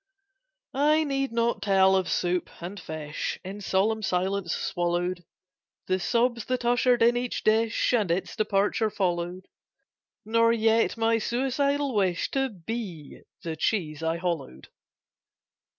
I need not tell of soup and fish In solemn silence swallowed, The sobs that ushered in each dish, And its departure followed, Nor yet my suicidal wish To be the cheese I hollowed.